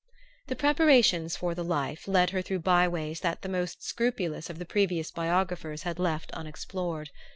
The preparations for the Life led her through by ways that the most scrupulous of the previous biographers had left unexplored.